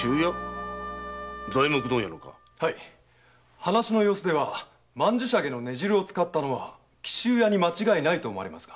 話の様子では曼珠沙華の根汁を使ったのは紀州屋に間違いないと思われますが。